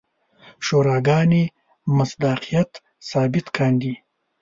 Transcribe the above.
شوراګانې مصداقیت ثابت کاندي.